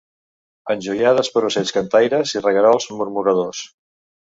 Enjoiades per ocells cantaires i reguerols murmuradors.